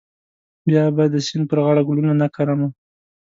بیا به د سیند پر غاړه ګلونه نه کرم.